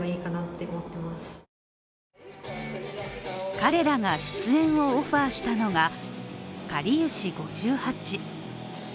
彼らが出演をオファーしたのがかりゆし５８。